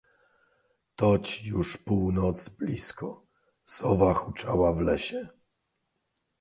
"Toć już północ blisko, sowa huczała w lesie."